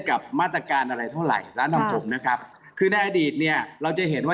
กับมาตรการอะไรเท่าไหร่ร้านทองผมนะครับคือในอดีตเนี่ยเราจะเห็นว่า